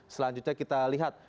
selanjutnya kita lihat